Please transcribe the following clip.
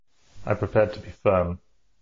I prepared to be firm.